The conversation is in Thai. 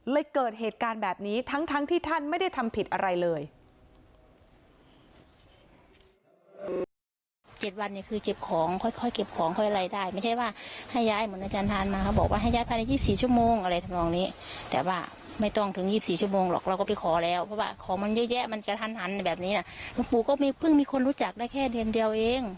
เกิดเหตุการณ์แบบนี้ทั้งที่ท่านไม่ได้ทำผิดอะไรเลย